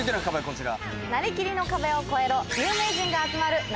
こちら。